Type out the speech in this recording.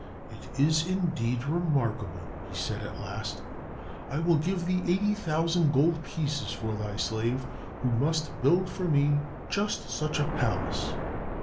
"It is indeed remarkable," he said at last. "I will give thee eighty thousand gold pieces for thy slave, who must build for me just such a palace."